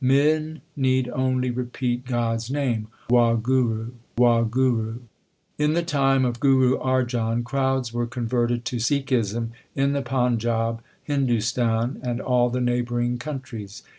Men need only repeat God s name, Wahguru ! Wahguru ! In the time of Guru Arjan crowds were con verted to Sikhism in the Panjab, Hindustan, and a.ll the neighbouring countries.